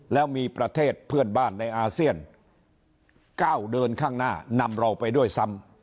แล้วมีประเทศเพื่อนบ้านในอาเซียนก้าวเดินข้างหน้านำเราไปด้วยซ้ำ